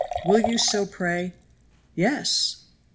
Will you so pray?" "Yes!"